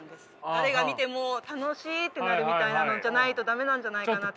誰が見ても楽しいってなるみたいなのじゃないと駄目なんじゃないかなとか。